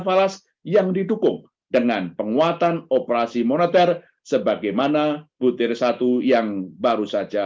falas yang didukung dengan penguatan operasi moneter sebagaimana butir satu yang baru saja